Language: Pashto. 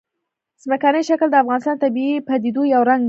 ځمکنی شکل د افغانستان د طبیعي پدیدو یو رنګ دی.